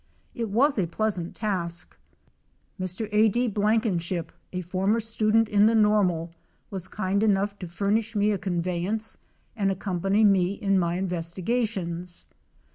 It was a pleasant task. Mr. A D. Biankenship, a former student in the Normal, was kind enough to furnish me a conveyance and accompany me in my investigations.